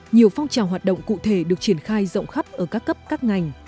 nhiều phong trào hoạt động cụ thể được triển khai rộng khắp ở các cấp các ngành